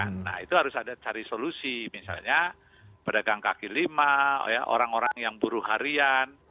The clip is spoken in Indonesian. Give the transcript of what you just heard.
nah itu harus ada cari solusi misalnya pedagang kaki lima orang orang yang buruh harian